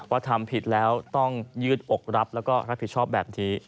ทำผิดแล้วต้องยืดอกรับแล้วก็รับผิดชอบแบบนี้